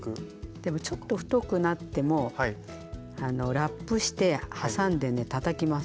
でもちょっと太くなってもラップしてはさんでねたたきます。